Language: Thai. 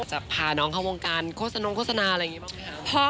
จะพาน้องเข้าวงการโฆษณงโฆษณาอะไรอย่างนี้บ้างไหมคะ